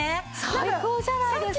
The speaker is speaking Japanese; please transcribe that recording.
最高じゃないですか！